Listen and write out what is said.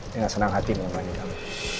dengan senang hati mengelola kamu